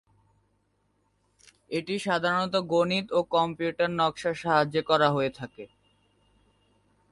এটি সাধারণত গণিত ও কম্পিউটার নকশার সাহায্যে করা হয়ে থাকে।